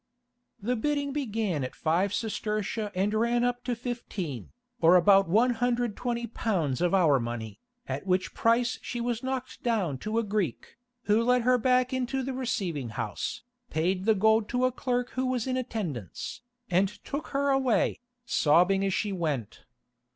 The bidding began at five sestertia and ran up to fifteen, or about £120 of our money, at which price she was knocked down to a Greek, who led her back into the receiving house, paid the gold to a clerk who was in attendance, and took her away, sobbing as she went.